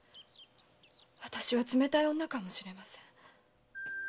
私は冷たい女かもしれません。